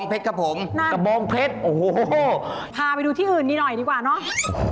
พาไปดูที่อื่นนี่หน่อยดีกว่านะ